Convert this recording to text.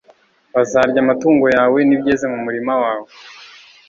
bazarya amatungo yawe n'ibyeze mu murima wawe